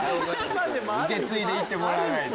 受け継いで行ってもらわないと。